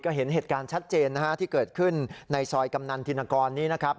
ก็เห็นเหตุการณ์ชัดเจนนะฮะที่เกิดขึ้นในซอยกำนันธินกรนี้นะครับ